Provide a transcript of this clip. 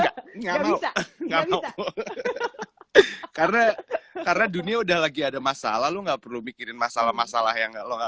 karena karena dunia udah lagi ada masalah lu nggak perlu mikirin masalah masalah yang nggak